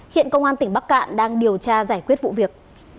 hiện công an tỉnh bắc cạn đang điều tra giải quyết vụ việc